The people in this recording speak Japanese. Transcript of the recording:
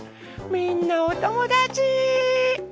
みんなおともだち。